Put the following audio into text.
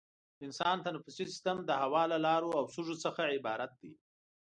د انسان تنفسي سیستم د هوا له لارو او سږو څخه عبارت دی.